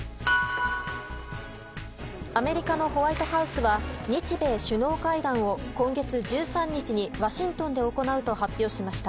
アメリカのホワイトハウスは日米首脳会談を今月１３日にワシントンで行うと発表しました。